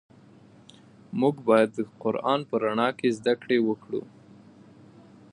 موږ باید د قرآن په رڼا کې زده کړې وکړو.